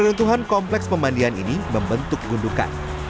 reruntuhan kompleks pemandian ini membentuk gundukan